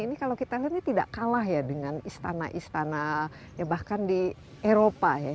ini kalau kita lihat ini tidak kalah ya dengan istana istana ya bahkan di eropa ya